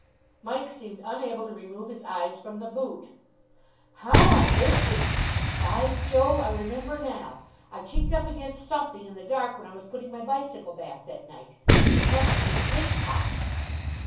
Mike seemed unable to remove his eyes from the boot. "How on earth did By Jove! I remember now. I kicked up against something in the dark when I was putting my bicycle back that night. It must have been the paint pot."